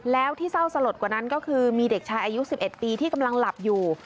แล้วที่เศร้าสลดกว่านั้นก็คือมีเด็กชายอายุ๑๑ปีที่กำลังหลับอยู่